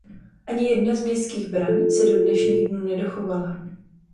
Ani jedna z městských bran se do dnešních dnů nedochovala.